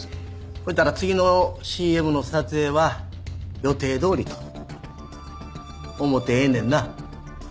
そしたら次のＣＭの撮影は予定どおりと思ってええねんな？